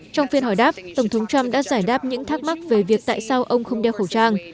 trong phiên hỏi đáp tổng thống trump đã giải đáp những thắc mắc về việc tại sao ông không đeo khẩu trang